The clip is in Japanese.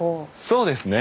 そうですね。